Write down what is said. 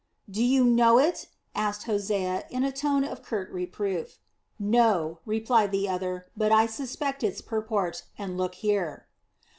"Do you know it?" asked Hosea in a tone of curt reproof. "No," replied the other, "but I suspect its purport, and look here."